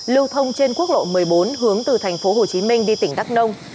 lưu thông trên quốc lộ một mươi bốn hướng từ thành phố hồ chí minh đi tỉnh đắk nông